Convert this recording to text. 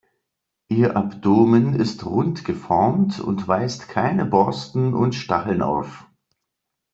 Ihr Abdomen ist rund geformt und weist keine Borsten und Stacheln auf.